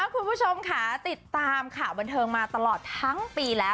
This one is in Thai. คุณผู้ชมค่ะติดตามข่าวบันเทิงมาตลอดทั้งปีแล้ว